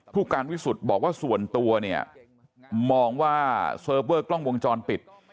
ผู้การวิสุทธิ์บอกว่าส่วนตัวเนี่ยมองว่าเซิร์ฟเวอร์กล้องวงจรปิด